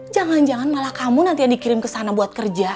jangan jangan malah kamu nanti yang dikirim ke sana buat kerja